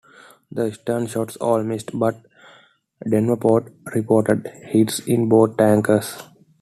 The stern shots all missed, but Davenport reported hits in both tankers.